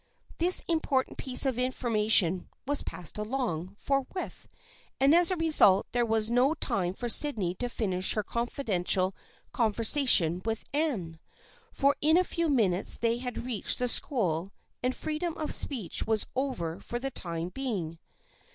This important piece of information was " passed along " forthwith, and as a result there was no time for Sydney to finish her confidential con versation with Anne, for in a few minutes they had reached the school and freedom of speech was over for the time being.